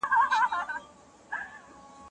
زه مخکي کار کړی و!.